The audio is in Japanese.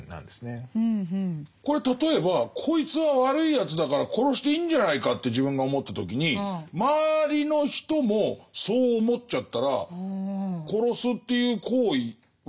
これ例えばこいつは悪いやつだから殺していいんじゃないかって自分が思った時に周りの人もそう思っちゃったら殺すっていう行為は。